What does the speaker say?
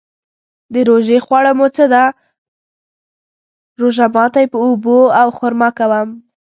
د روژې خواړه مو څه ده؟ روژه ماتی په اوبو او خرما کوم